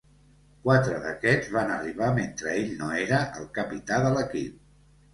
Quatre d'aquest van arribar mentre ell no era el capità de l'equip.